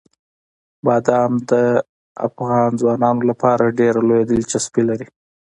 بادام د افغان ځوانانو لپاره ډېره لویه دلچسپي لري.